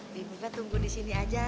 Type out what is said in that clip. bibi biba tunggu di sini aja